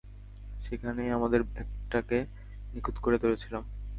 সেখানেই আমাদের অ্যাক্টটাকে নিখুঁত করে তুলেছিলাম।